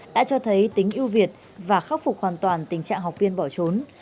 đã cho thấy tính ưu việt và khắc phục hoàn toàn tình trạng học viên bỏ trốn